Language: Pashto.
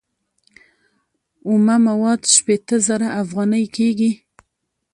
اومه مواد شپیته زره افغانۍ کېږي